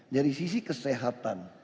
dari sisi kesehatan